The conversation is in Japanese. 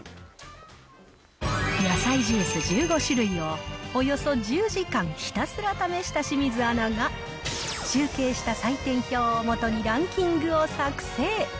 野菜ジュース１５種類を、およそ１０時間ひたすら試した清水アナが、集計した採点表を基にランキングを作成。